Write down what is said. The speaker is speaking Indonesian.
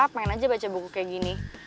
pengen aja baca buku kayak gini